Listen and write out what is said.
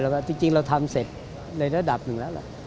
แล้วก็จริงเราทำเสร็จในระดับหนึ่งแล้วล่ะ